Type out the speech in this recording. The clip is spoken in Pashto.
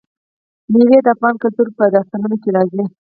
مېوې د افغان کلتور په داستانونو کې راځي.